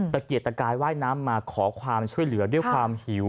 เกียรติตะกายว่ายน้ำมาขอความช่วยเหลือด้วยความหิว